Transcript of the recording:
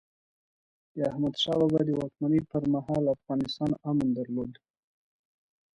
د احمد شاه بابا د واکمنۍ پرمهال، افغانستان امن درلود.